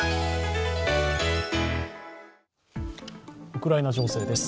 ウクライナ情勢です。